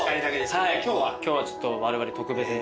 今日はちょっとわれわれ特別に。